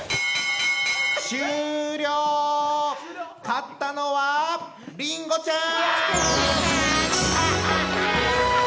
勝ったのはりんごちゃん！